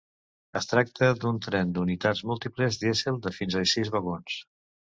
Es tracta d'un tren d'unitats múltiples dièsel de fins a sis vagons.